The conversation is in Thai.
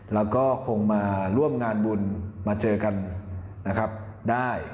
แล้วก็คงมาร่วมงานบุญมาเจอกันนะครับได้